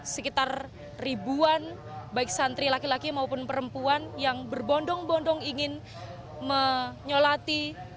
sekitar ribuan baik santri laki laki maupun perempuan yang berbondong bondong ingin menyolati